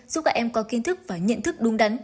giúp các em có kiến thức và nhận thức đúng đắn